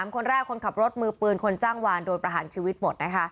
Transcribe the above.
คนแรกคนขับรถมือปืนคนจ้างวานโดนประหารชีวิตหมดนะคะ